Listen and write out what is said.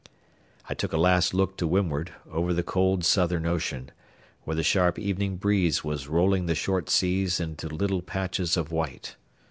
I took a last look to windward, over the cold southern ocean, where the sharp evening breeze was rolling the short seas into little patches of white.